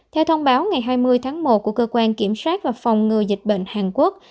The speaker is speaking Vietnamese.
theo thông báo ngày hai mươi tháng một của cơ quan kiểm soát và phòng ngừa dịch bệnh hàn quốc